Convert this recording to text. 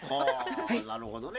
はあなるほどね。